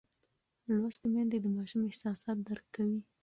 لوستې میندې د ماشوم احساسات درک کوي.